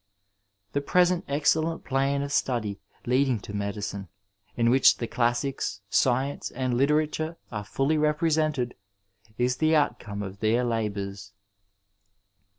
The present excellent plan of study leading to medicine, in which the classics, sdence and literature are fully represented, is the outcome of their labours.